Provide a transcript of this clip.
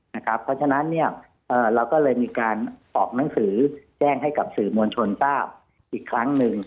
เพราะฉะนั้นเราก็เลยมีการออกหนังสือแจ้งให้กับสื่อมวลชนทราบอีกครั้งหนึ่ง